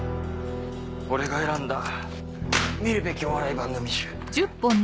俺が選んだ見るべきお笑い番組集。